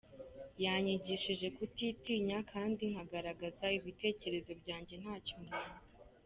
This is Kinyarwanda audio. Yanyigishije kutitinya kandi nkagaragaza ibitekerezo byanjye ntacyo ntinya.